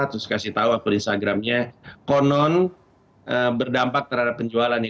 terus kasih tahu aku instagramnya konon berdampak terhadap penjualan nih